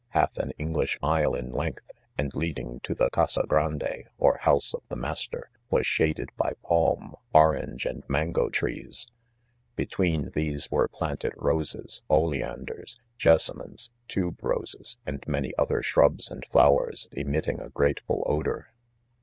half an English mile in length and leading ioitke ''■■ ctixt gtmof!&" xfr it&iwe rf the— fflastarwas 36 IDOMEN. shaded "by palm, orange, and mango trees. — Between these were planted roses, oleanders ? jessamines, tuberoses, and many other shrubs and flowers emitting" a grateful odour.